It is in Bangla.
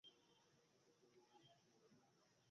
যদি পুলিশে থাকার ইচ্ছে থাকে তবে চুপচাপ নিজের কাজ করো।